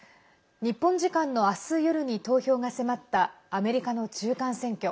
日本時間の明日夜に投票が迫ったアメリカの中間選挙。